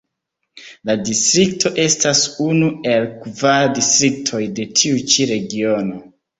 La distrikto estas unu el kvar distriktoj de tiu ĉi regiono.